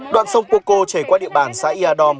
đoạn sông cuộc cô chảy qua địa bản xã iazom